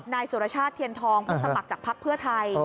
นายสุรชาติเทียนทองผู้สมัครจากพักเพื่อไทย